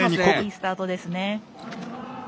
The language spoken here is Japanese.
いいスタートですね。